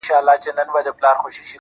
چا ویل دا چي، ژوندون آسان دی.